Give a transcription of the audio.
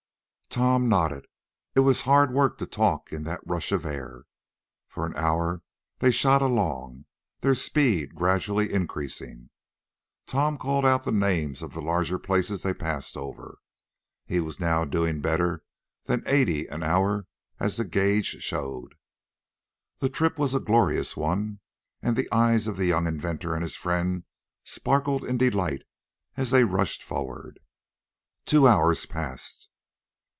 Tom nodded. It was hard work to talk in that rush of air. For an hour they shot along, their speed gradually increasing. Tom called out the names of the larger places they passed over. He was now doing better than eighty an hour as the gage showed. The trip was a glorious one, and the eyes of the young inventor and his friend sparkled in delight as they rushed forward. Two hours passed.